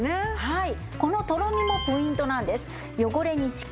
はい。